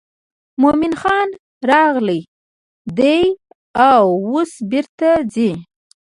مومن خان راغلی دی او اوس بیرته ځي.